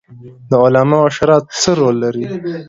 د علماوو شورا څه رول لري؟